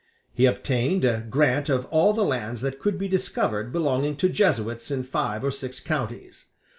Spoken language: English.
He obtained a grant of all the lands that could be discovered belonging to Jesuits in five or six counties.